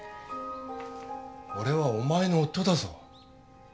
俺はお前の夫だぞ。